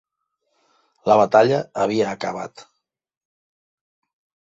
La batalla havia acabat.